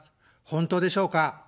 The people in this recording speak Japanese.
本当でしょうか。